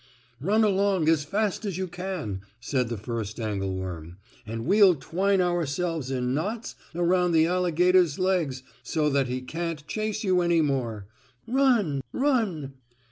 "Run along as fast as you can," said the first angle worm, "and we'll twine ourselves in knots around the alligator's legs so that he can't chase you any more. Run! Run!"